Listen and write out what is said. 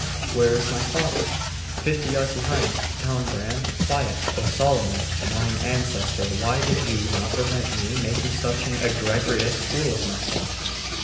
'Where is my father?' 'Fifty yards behind. Down, Bran! Quiet! O Solomon, mine ancestor, why did you not prevent me making such an egregious fool of myself?